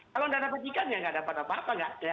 kalau anda dapat ikan ya nggak dapat apa apa